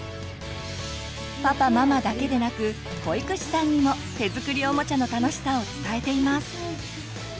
パパママだけでなく保育士さんにも手作りおもちゃの楽しさを伝えています。